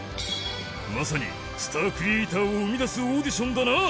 まさにスタークリエイターを生み出すオーディションだな